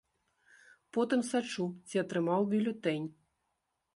Потым сачу, ці атрымаў бюлетэнь.